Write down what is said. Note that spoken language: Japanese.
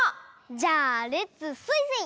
じゃあレッツスイスイ！